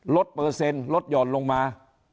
เปอร์เซ็นต์ลดหย่อนลงมา